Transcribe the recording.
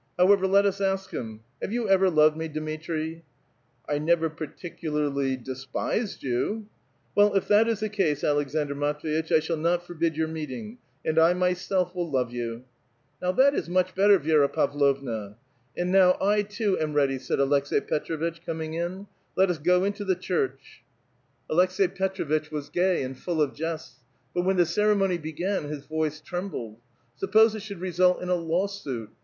However, let us ask him. — Have you ever loved me, Dmitri ?"" I never particularly despised you !" "Well, if that is the case, Aleksandr Matv^itch, I shall not forbid your meeting, and I myself will love you !"*' Now that is much better, Vi^ra Pavlovna." '* And now, I, too, am ready," said Aleks^i Petr6vitch, coming in. " Let us go into the church." Aleks^i Petr6 A VITAL QUESTION. 137 vitch was gay and full of jests ; but when the ceremony be gan, his voice trembled, '' 8upiK)se it should result in a law suit?